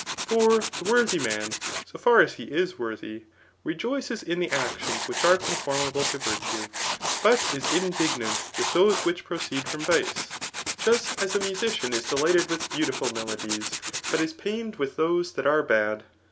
For the worthy man, so far as he is worthy, rejoices in the actions which are conform^e to virtue, but is indignant with those which proceed frbi6 vice i just as a musician is ddighted with beautiful Qielo dies, but is pained with those that are bad.